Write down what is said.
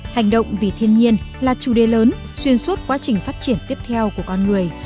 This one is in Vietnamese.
hành động vì thiên nhiên là chủ đề lớn xuyên suốt quá trình phát triển tiếp theo của con người